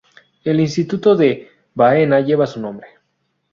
El instituto de Baena lleva su nombre.